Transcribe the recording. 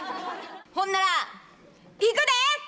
ほんならいくで！